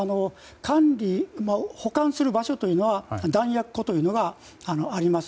管理・保管する場所は弾薬庫というのがあります。